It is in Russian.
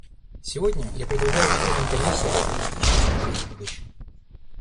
Сегодня я предлагаю членам Комиссии оптимистично смотреть в будущее.